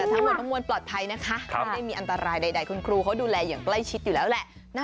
ทั้งหมดทั้งมวลปลอดภัยนะคะไม่ได้มีอันตรายใดคุณครูเขาดูแลอย่างใกล้ชิดอยู่แล้วแหละ